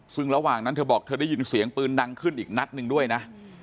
ซึ่งระหว่างนั้นเธอบอกเธอได้ยินเสียงปืนดังขึ้นอีกนัดหนึ่งด้วยนะ